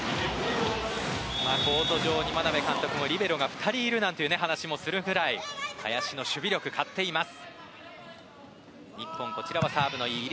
コート上に眞鍋監督もリベロが２人いるなんていう話もするぐらい林の守備力を買っています。